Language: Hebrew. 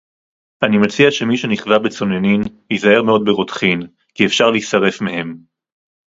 אני מציע שמי שנכווה בצוננין ייזהר מאוד ברותחין כי אפשר להישרף מהם